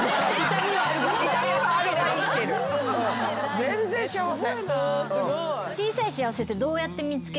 全然幸せ。